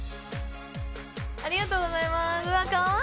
ありがとうございます。